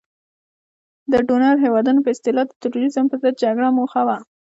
د ډونر هیوادونو په اصطلاح د تروریزم په ضد جګړه موخه وه.